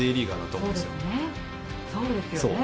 そうですよね。